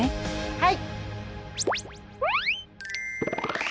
はい！